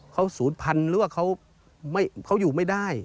เขาศูนย์พันธุ์หรือว่าเขาอยู่ไม่ได้